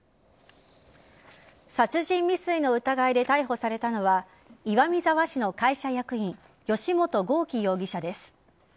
殺人未遂の疑いで逮捕されたのは岩見沢市の会社役員吉元剛貴容疑者です。